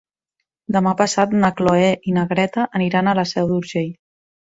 Demà passat na Cloè i na Greta aniran a la Seu d'Urgell.